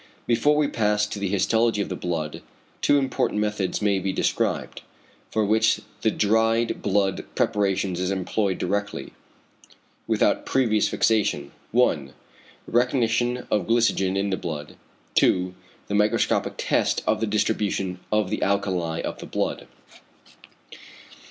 Before we pass to the histology of the blood, two important methods may be described, for which the dried blood preparation is employed directly, without previous fixation: 1. the recognition of glycogen in the blood; 2. the microscopic test of the distribution of the alkali of the blood.